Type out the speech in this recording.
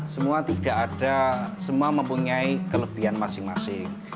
semua tidak ada semua mempunyai kelebihan masing masing